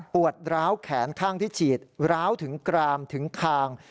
ร้าวแขนข้างที่ฉีดร้าวถึงกรามถึงคาง